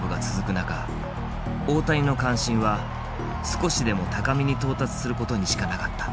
中大谷の関心は少しでも高みに到達することにしかなかった。